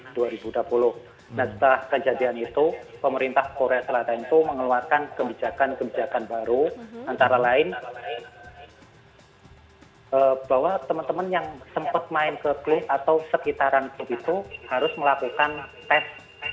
nah setelah kejadian itu pemerintah korea selatan itu mengeluarkan kebijakan kebijakan baru antara lain bahwa teman teman yang sempat main ke klub atau sekitaran klub itu harus melakukan tes